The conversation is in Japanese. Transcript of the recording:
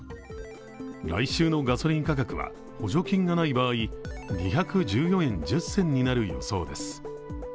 来週のガソリン価格は補助金がない場合２１４円１０銭になる予想です。